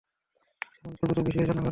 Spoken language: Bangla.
সে জন্যেই শব্দটা বেশি হয় রান্নাঘরে।